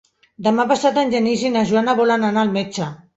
Demà passat en Genís i na Joana volen anar al metge.